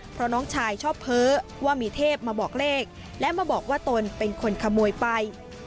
เพราะน้องชายชอบเพ้อว่ามีเทพมาบอกเลขและมาบอกว่าตนเป็นคนขโมยไป